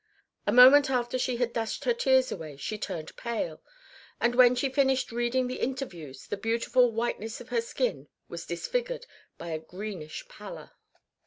A moment after she had dashed her tears away she turned pale; and when she finished reading the interviews the beautiful whiteness of her skin was disfigured by a greenish pallor.